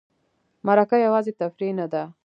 مرکه یوازې تفریح نه ده.